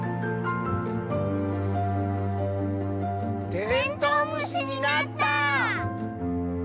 テントウムシになった！